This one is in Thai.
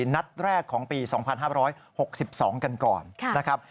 นัดแรกของปี๒๕๖๒กันก่อนนะครับ